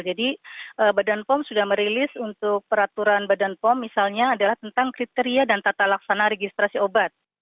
jadi badan pom sudah merilis untuk peraturan badan pom misalnya adalah tentang kriteria dan tata laksana registrasi obat